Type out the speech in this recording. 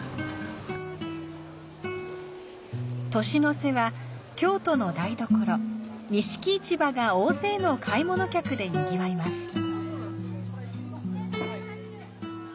年の瀬は京都の台所、錦市場が大勢の買い物客で賑わいます。